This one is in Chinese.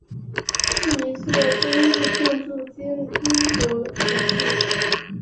是一座登录建筑兼英国古迹。